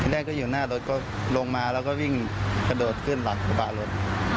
แรกก็อยู่หน้ารถก็ลงมาแล้วก็วิ่งกระโดดขึ้นหลังกระบะรถ